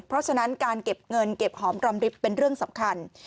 เพราะฉะนั้นการเก็บเงินเก็บหอมรอมริบเป็นเรื่องสำคัญ